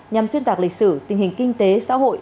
nhằm xuyên tạc lịch sử tình hình kinh tế xã hội